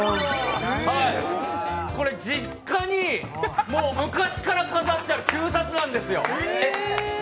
これ、実家に昔から飾ってある旧札なんですよ。